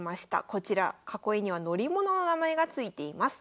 こちら囲いには乗り物の名前が付いています。